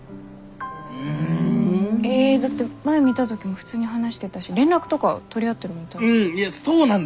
うん。えだって前見た時も普通に話してたし連絡とか取り合ってるみたいだし。